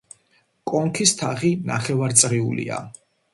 კონქის თაღი ნახევარწრიულია.